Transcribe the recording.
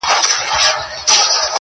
o راكيټونو دي پر ما باندي را اوري.